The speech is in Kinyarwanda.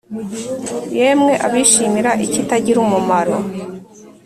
“Yemwe abishimira ikitagira umumaro